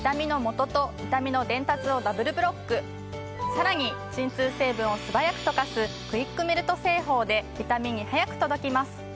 さらに鎮痛成分を素早く溶かすクイックメルト製法で痛みに速く届きます。